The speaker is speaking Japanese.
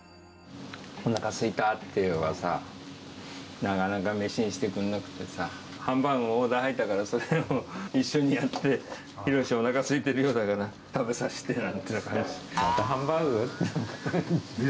おなかすいたって言っても、なかなか飯にしてくんなくてさ、ハンバーグ、オーダー入ったから、それを一緒にやって、博、おなかすいてるようだから食べさせてなんて。ぜいたくですね。